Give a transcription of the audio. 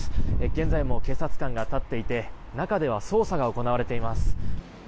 現在も警察官が立っていて中では捜査が行われています。